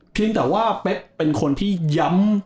เพียงแต่ว่าเป๊กเป็นคนที่ย้ำ